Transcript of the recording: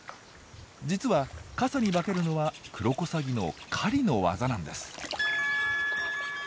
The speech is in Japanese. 実は傘に化けるのはクロコサギの狩りの技なんです。